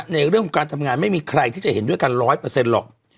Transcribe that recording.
ในเรื่องของการทำงานไม่มีใครที่จะเห็นด้วยกัน๑๐๐หรอก